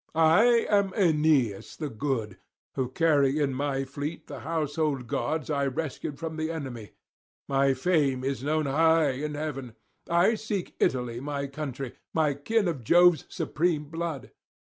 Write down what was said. I am Aeneas the good, who carry in my fleet the household gods I rescued from the enemy; my fame is known high in heaven. I seek Italy my country, my kin of Jove's supreme blood.